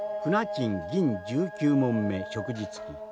賃銀１９匁食事付き。